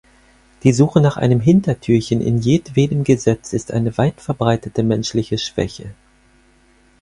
Die Suche nach einem Hintertürchen in jedwedem Gesetz ist eine weit verbreitete menschliche Schwäche.